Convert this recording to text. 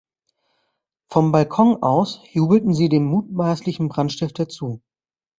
Vom Balkon aus jubelten sie dem mutmaßlichen Brandstifter zu.